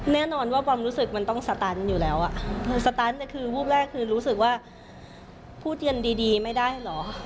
แน่นอนว่าความรู้สึกมันต้องสตันอยู่แล้วอ่ะสตันเนี่ยคือวูบแรกคือรู้สึกว่าพูดเย็นดีไม่ได้เหรอ